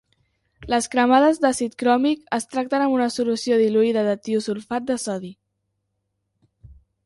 Les cremades d'àcid cròmic es tracten amb una solució diluïda de tiosulfat de sodi.